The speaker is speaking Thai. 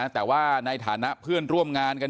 แต่ว่าในฐานะเพื่อนร่วมงานกัน